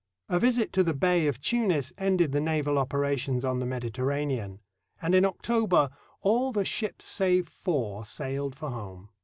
A visit to the Bey of Tunis ended the naval operations on the Mediterranean, and in October all the ships save four sailed for home.